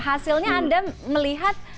hasilnya anda melihat